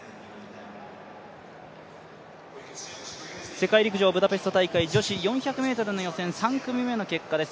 世界陸上ブダペスト大会女子４００ｍ予選３組目の結果です。